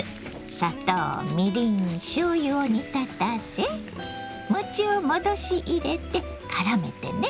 砂糖みりんしょうゆを煮立たせ餅を戻し入れてからめてね。